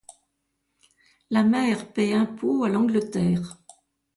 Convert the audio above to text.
La mer paie impôt à l’Angleterre.